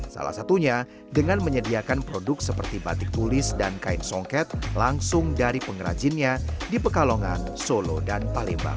salah satunya dengan menyediakan produk seperti batik tulis dan kain songket langsung dari pengrajinnya di pekalongan solo dan palembang